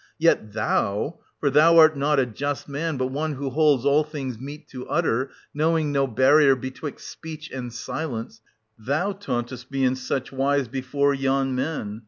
^ Yet thoUy — for thou art not a just man, but one who 1000 nolds all things meet to utter, knowing no barrier DCtwixt speech and silence — thou tauntest me in such "^^i before yon men.